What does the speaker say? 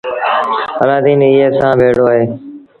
الآدين ايئي سآݩ ڀيڙو آيو۔